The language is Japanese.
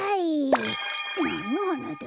なんのはなだ？